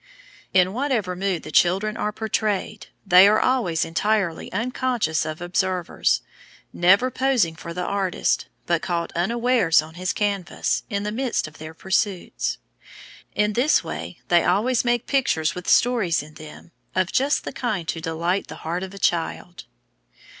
In whatever mood the children are portrayed, they are always entirely unconscious of observers, never posing for the artist, but caught unawares on his canvas, in the midst of their pursuits. In this way they always make pictures with "stories" in them, of just the kind to delight the heart of a child.